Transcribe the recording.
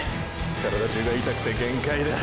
体中が痛くて限界だ。